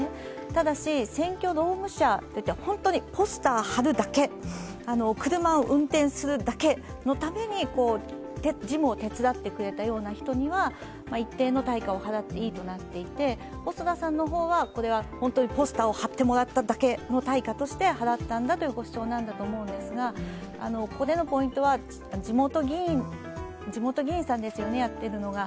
ただし、選挙労務者といって、本当にポスターを貼るだけ、車を運転するだけのために事務を手伝ってくれたような人には一定の対価を払っていいとなっていて、細田さんの方は、これは本当にすポスターを貼ってもらっただけの対価として払ったんだというご主張なんだと思うのですがこのポイントは、地元議員さんですよね、やっているのが。